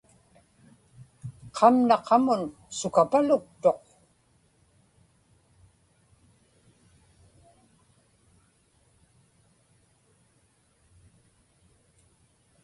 qamna qamun sukapaluktuq